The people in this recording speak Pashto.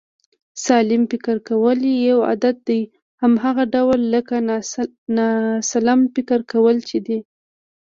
سالم فکر کول یو عادت دی، هماغه ډول لکه ناسلم فکر کول چې دی